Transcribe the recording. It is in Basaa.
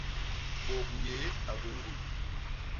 Bôknyéé a gwéé ñguy.